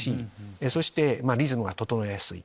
そしてリズムが整えやすい。